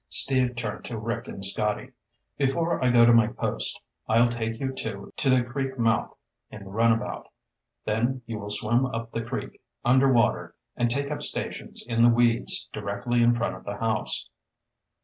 Steve turned to Rick and Scotty. "Before I go to my post, I'll take you two to the creek mouth in the runabout. Then you will swim up the creek, underwater, and take up stations in the weeds directly in front of the house."